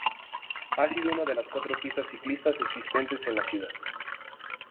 Ha sido una de las cuatro pistas ciclistas existentes en la ciudad.